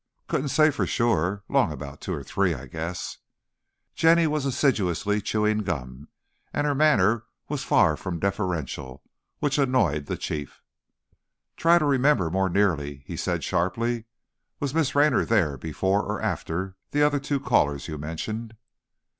"Couldn't say for sure. 'Long about two or three, I guess." Jenny was assiduously chewing gum, and her manner was far from deferential, which annoyed the Chief. "Try to remember more nearly," he said, sharply. "Was Miss Raynor there before or after the other two callers you mentioned?"